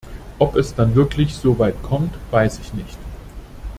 Ob es dann wirklich so weit kommt, weiß ich nicht.